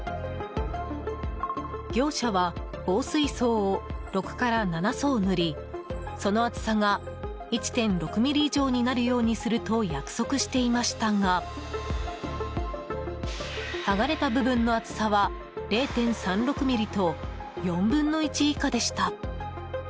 業者は防水層を６から７層塗りその厚さが１．６ｍｍ以上になるようにすると約束していましたが剥がれた部分の厚さは０．３６ｍｍと４分の１以下でした。